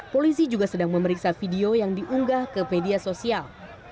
polisi juga sedang memeriksa video yang diunggah ke media sosial